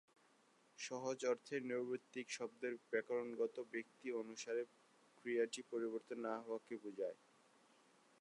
সহজ অর্থে "নৈর্ব্যক্তিক" শব্দের ব্যাকরণগত ব্যক্তি অনুসারে ক্রিয়াটি পরিবর্তন না হওয়াকে বোঝায়।